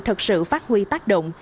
thực sự phát huy tác động